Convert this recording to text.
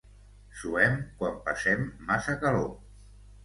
Suem quan passem massa calor.